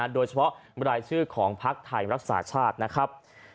โดยเฉพาะรายชื่อของภักดิ์ไทยรักษาชาตินะครับ